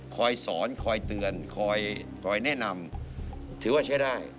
คอยสอนคอยเตือนคอยแนะนำถือว่าใช้ได้